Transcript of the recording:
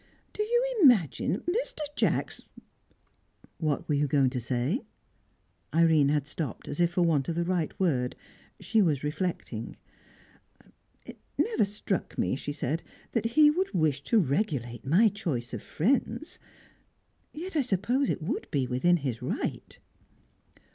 "Do you imagine Mr. Jacks " "What were you going to say?" Irene had stopped as if for want of the right word She was reflecting. "It never struck me," she said, "that he would wish to regulate my choice of friends. Yet I suppose it would be within his right?"